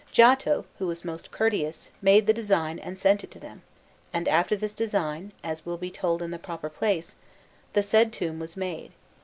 Giotto, who was most courteous, made the design and sent it to them; and after this design, as will be told in the proper place, the said tomb was made.